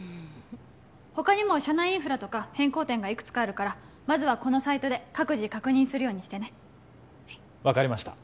他にも社内インフラとか変更点がいくつかあるからまずはこのサイトで各自確認するようにしてねはい分かりました